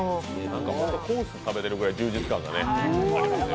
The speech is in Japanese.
コースを食べているような充実感がありますよね。